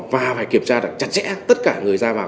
và phải kiểm tra chặt chẽ tất cả người ra vào